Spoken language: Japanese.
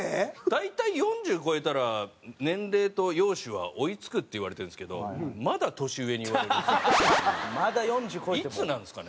大体４０超えたら年齢と容姿は追い付くっていわれてるんですけどまだ年上にいわれるんですよ。